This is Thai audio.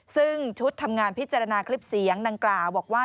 ซึ่งชุดทำงานพิจารณาคลิปเสียงดังกล่าวบอกว่า